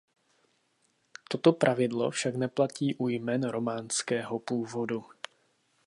Toto pravidlo však neplatí u jmen románského původu.